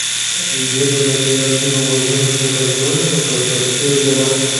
ژبه له بېلابېلو غږونو څخه جوړه ده په پښتو ژبه.